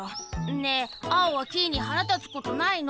ねえアオはキイにはらたつことないの？